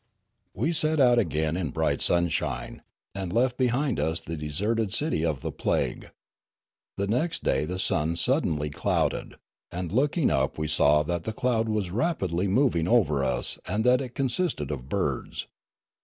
We set out again in bright sunshine, and left be hind us the deserted city of the plague. The next day the sun suddenly clouded, and looking up we saw that the cloud was rapidly moving over us and that it con sisted of birds.